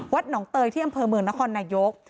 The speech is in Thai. หนองเตยที่อำเภอเมืองนครนายก